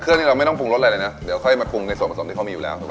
เครื่องนี้เราไม่ต้องปรุงรสอะไรนะเดี๋ยวค่อยมาปรุงในส่วนผสมที่เค้ามีอยู่แล้ว